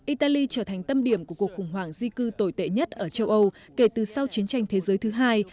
italy trở thành tâm điểm của cuộc khủng hoảng di cư tồi tệ nhất ở châu âu kể từ sau chiến tranh thế giới thứ hai